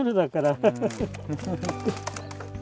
ハハハッ。